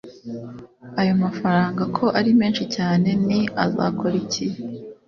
Ayo mafaranga ko ari menshi cyane ni azakora iki